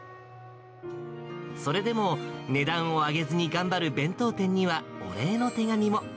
それでも、値段を上げずに頑張る弁当店には、お礼の手紙も。